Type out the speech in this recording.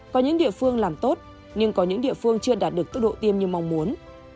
có những địa phương làm tốt nhưng có những địa phương chưa đạt được tốc độ tiêm như mong muốn